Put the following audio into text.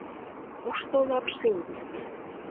— Кушто Лапшин?